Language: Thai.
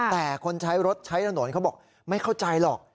แต่คนใช้รถใช้ถนนเขาบอกไม่เข้าใจหรอก